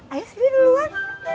ayo sedih duluan